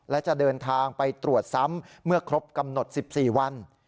และจะเดินทางไปตรวจซ้ำเมื่อครบกำหนด๑๔วัน